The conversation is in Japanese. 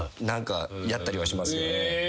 何かやったりはします。